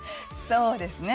そうですね。